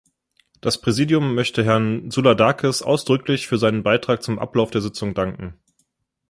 Das Präsidium möchte Herrn Souladakis ausdrücklich für seinen Beitrag zum Ablauf der Sitzung danken.